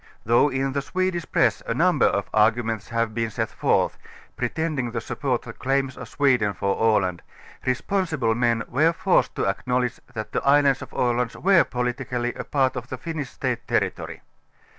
Though in the Swedish press a number of arguments have been seth forth, pretending to support the claims of Sweden for Aland, responsible m^n were forced to acknowledge that the islands of Aland were politically a part of the Finnish State territory.